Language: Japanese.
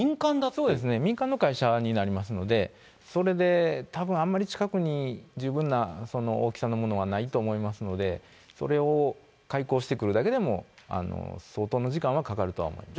そうですね、民間の会社になりますので、それでたぶん、あんまり近くに十分な大きさのものはないと思いますので、それをかいこうしてくるだけでも相当の時間はかかるとは思います。